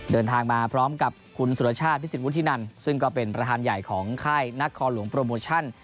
เดินทางมาพร้อมกับคุณสุรชาติพิสิทวุฒินันซึ่งก็เป็นประธานใหญ่ของค่ายนักคอหลวงโปรโมชั่น